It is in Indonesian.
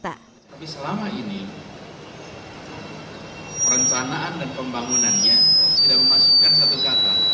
tapi selama ini perencanaan dan pembangunannya tidak memasukkan satu kata